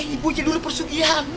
ibu jadul persugihan